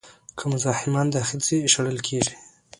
که مزاحمان داخل شي، شړل کېږي.